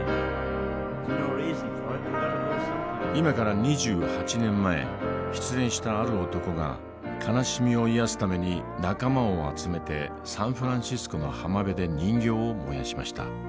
今から２８年前失恋したある男が悲しみを癒やすために仲間を集めてサンフランシスコの浜辺で人形を燃やしました。